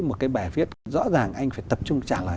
một cái bài viết rõ ràng anh phải tập trung trả lời